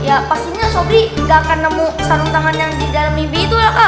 ya pastinya sobri nggak akan nemu sarung tangan yang di dalam mibi itu lah kak